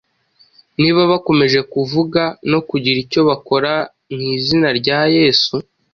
niba bakomeje kuvuga no kugira icyo bakora mu izina rya Yesu.